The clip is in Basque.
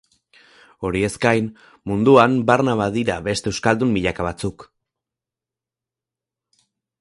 Horiez gain, munduan barna badira beste euskaldun milaka batzuk.